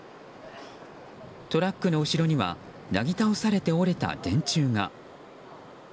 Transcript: トラックの後ろにはなぎ倒されて折れた電柱が。